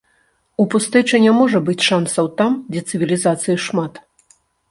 У пустэчы не можа быць шансаў там, дзе цывілізацыі шмат.